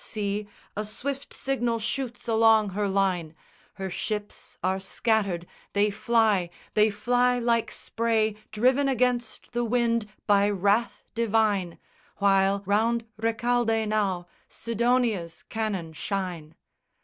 See, a swift signal shoots along her line, Her ships are scattered, they fly, they fly like spray Driven against the wind by wrath divine, While, round Recaldé now, Sidonia's cannon shine.